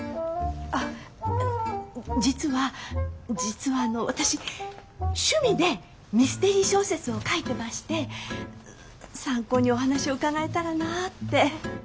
あっ実は実はあの私趣味でミステリー小説を書いてまして参考にお話を伺えたらなあって。